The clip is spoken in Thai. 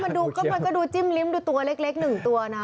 มันก็ดูจิ้มลิ้มดูตัวเล็กหนึ่งตัวนะ